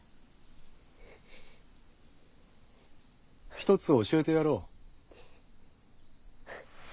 ひとつ教えてやろう。